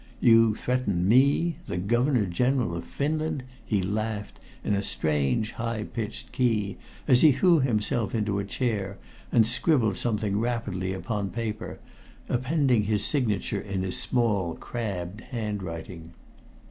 You threaten me the Governor General of Finland!" he laughed in a strange, high pitched key as he threw himself into a chair and scribbled something rapidly upon paper, appending his signature in his small crabbed handwriting.